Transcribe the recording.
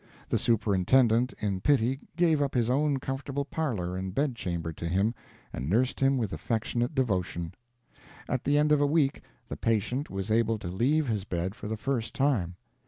The superintendent, in pity, gave up his own comfortable parlor and bedchamber to him and nursed him with affectionate devotion. At the end of a week the patient was able to leave his bed for the first time.